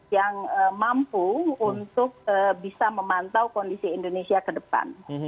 yang mampu untuk bisa memantau kondisi indonesia ke depan